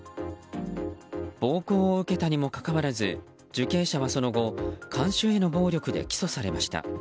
暴行を受けたにもかかわらず受刑者はその後看守への暴力で起訴されました。